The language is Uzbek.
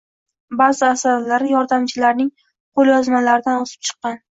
Ba'zi asarlari yordamchilarining qo‘lyozmalaridan o‘sib chiqqan.